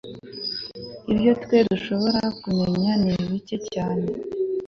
ibyo twe dushobora kumenya ni bike cyane